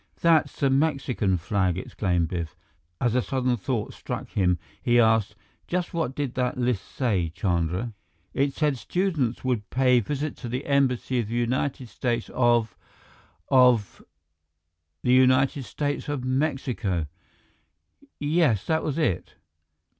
"That's the Mexican flag," exclaimed Biff. As a sudden thought struck him, he asked, "Just what did that list say, Chandra?" "It said students would pay visit to the embassy of the United States of of " "The United States of Mexico!" "Yes, that was it."